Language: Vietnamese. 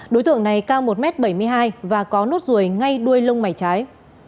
đối tượng này cao một m bảy mươi hai và có nốt ruồi ngay đuôi lông mày trái